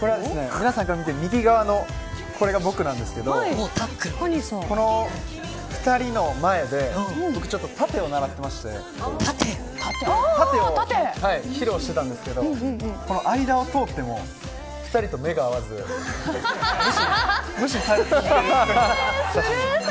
皆さんから見て右側のこれが僕なんですけどこの２人の前で僕ちょっと、殺陣を習っていまして殺陣を披露していたんですけどこの間を通っても２人と目が合わず無視され続けるという。